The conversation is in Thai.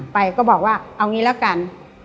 ไปก็บอกว่าเอางี้แล้วกัน